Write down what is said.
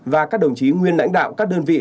và các đồng chí nguyên lãnh đạo các đơn vị